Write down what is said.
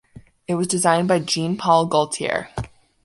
It was designed by Jean Paul Gaultier.